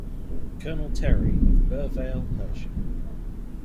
Colonel Terry of Burvale, Hersham.